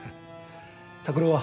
拓郎は？